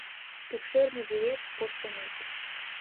Пӱкшерме вует — порсынет